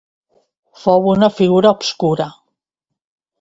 Fou una figura obscura.